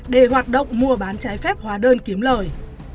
để hoạt động mua bán trái phép hóa đơn kiếm lời